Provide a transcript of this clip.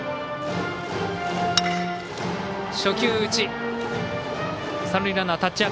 初球打ち。